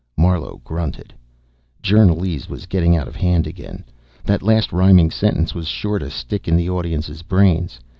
Marlowe grunted. Journalese was getting out of hand again. That last rhyming sentence was sure to stick in the audience's brains.